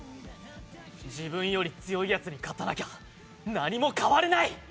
自分より強いやつに勝たなきゃ何も変われない！